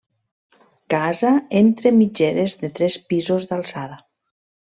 Casa entre mitgeres de tres pisos d'alçada.